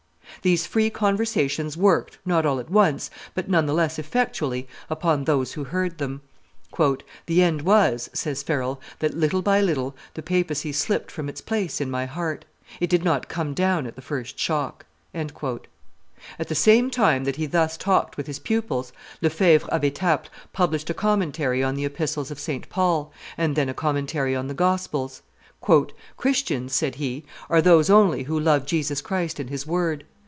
These free conversations worked, not all at once, but none the less effectually, upon those who heard them. "The end was," says Farel, "that little by little the papacy slipped from its place in my heart; it did not come down at the first shock." At the same time that he thus talked with his pupils, Lefevre of Etaples published a commentary on the Epistles of St. Paul, and then a commentary on the Gospels. "Christians," said he, "are those only who love Jesus Christ and His word.